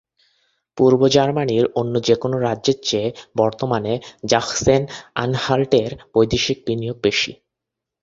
পূর্ব জার্মানির অন্য যেকোন রাজ্যের চেয়ে বর্তমানে জাখসেন-আনহাল্টের বৈদেশিক বিনিয়োগ বেশি।